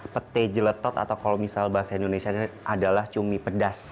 petai jeletot atau kalau misal bahasa indonesia adalah cumi pedas